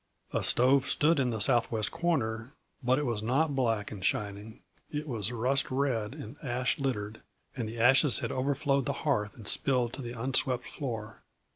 A stove stood in the southwest corner, but it was not black and shining; it was rust red and ash littered, and the ashes had overflowed the hearth and spilled to the unswept floor.